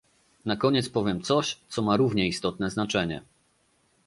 Na koniec powiem coś, co ma równie istotne znaczenie